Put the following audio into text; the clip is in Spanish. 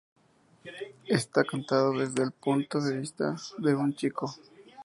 Está cantado desde el punto de vista de un chico.